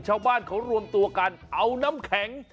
ชาวบ้านเขารวมตัวกันเอาน้ำแข็ง